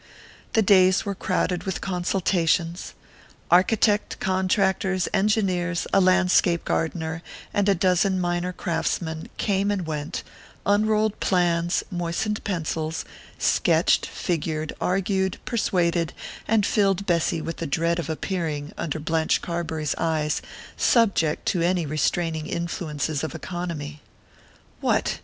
The days were crowded with consultations. Architect, contractors, engineers, a landscape gardener, and a dozen minor craftsmen, came and went, unrolled plans, moistened pencils, sketched, figured, argued, persuaded, and filled Bessy with the dread of appearing, under Blanche Carbury's eyes, subject to any restraining influences of economy. What!